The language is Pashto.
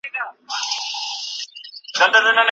هیڅ څوک باید مجبور نه سي.